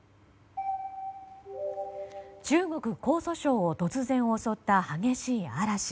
中国・江蘇省を突然襲った激しい嵐。